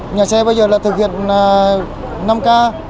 nhà xe bây giờ là thực hiện năm k